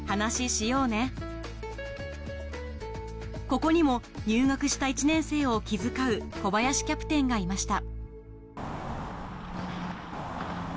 ここにも入学した１年生を気遣う小林キャプテンがいました